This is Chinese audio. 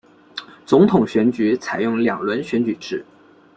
总统选举采用两轮选举制。